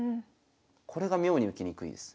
これが妙に受けにくいです。